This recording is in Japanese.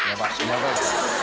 やばい。